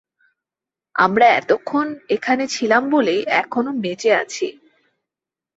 আমরা এতক্ষণ এখানে ছিলাম বলেই এখনও বেঁচে আছি।